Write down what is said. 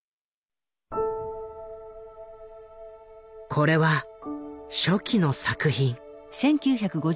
これは初期の作品。